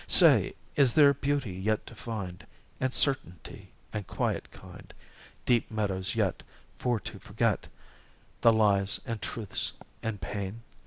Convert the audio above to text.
Say, is there Beauty yet to find? And Certainty? and Quiet kind? Deep meadows yet, for to forget The lies, and truths, and pain?